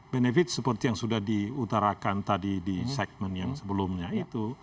benefit seperti yang sudah diutarakan tadi di segmen yang sebelumnya itu